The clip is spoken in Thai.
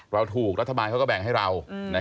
เราถูกรัฐบาลเขาก็แบ่งให้เรา